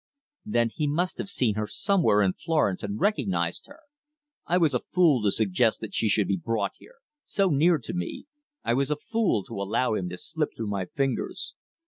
"Then he must have seen her somewhere in Florence and recognized her! I was a fool to suggest that she should be brought here so near to me! I was a fool to allow him to slip through my fingers!"